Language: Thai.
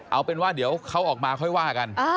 เอาเป็นว่าเดี๋ยวเขาออกมาค่อยว่ากัน